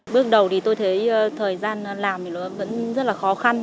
bước đầu thì tôi thấy thời gian làm thì nó vẫn rất là khó khăn